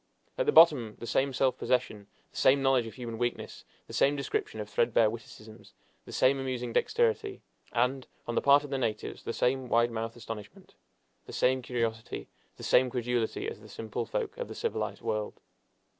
At the bottom the same self possession, the same knowledge of human weakness, the same description of threadbare witticisms, the same amusing dexterity, and, on the part of the natives, the same wide mouth astonishment, the same curiosity, the same credulity as the simple folk of the civilized world.